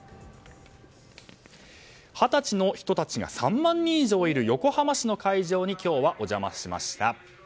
二十歳の人たちが３万人以上いる横浜市の会場に今日はお邪魔しました。